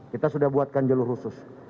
kita sudah buatkan jalur khusus